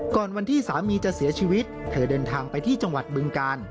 ก่อนวันที่สามีจะเสียชีวิตเธอเดินทางไปที่จังหวัดบึงกาล